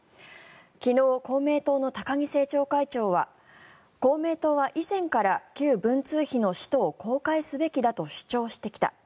昨日、公明党の高木政調会長は公明党は以前から旧文通費の使途を公開すべきだと主張してきた。